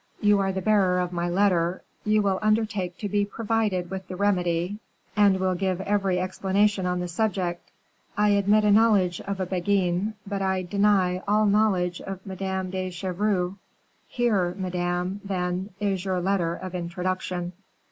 You are the bearer of my letter, you will undertake to be provided with the remedy, and will give every explanation on the subject. I admit a knowledge of a Beguine, but I deny all knowledge of Madame de Chevreuse. Here, madame, then, is your letter of introduction."